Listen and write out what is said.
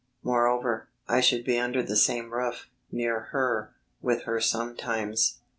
Moreover, I should be under the same roof, near her, with her sometimes.